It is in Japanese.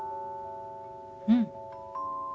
うん。